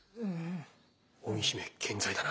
鬼姫健在だな。